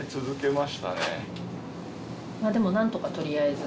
でも何とか取りあえず。